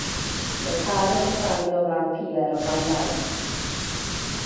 Mae pâr yn cusanu o flaen pier o flaen bae.